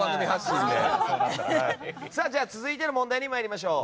続いての問題に参りましょう。